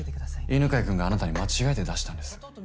犬飼君があなたに間違えて出したんです。